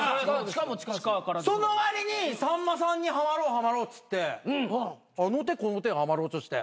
そのわりにさんまさんにはまろうはまろうっつってあの手この手はまろうとして。